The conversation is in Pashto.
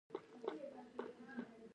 موږ ولې روغتونونه غواړو؟